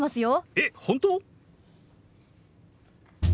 えっ本当？